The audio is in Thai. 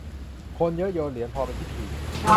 คนเยอะ โยนเหรียญพอเป็นพิธี